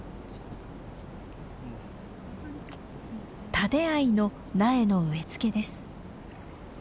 タデアイの苗の植え付けです。